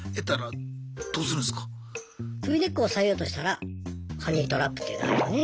首根っこ押さえようとしたらハニートラップっていうのあるよね。